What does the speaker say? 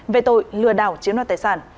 về tội lừa đảo chiếm đoạt tài sản